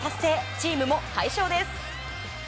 チームも快勝です。